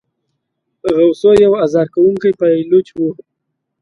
غوثو یو آزار کوونکی پایلوچ وو.